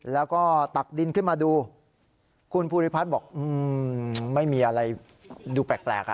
แล้วก็ตักดินขึ้นมาดู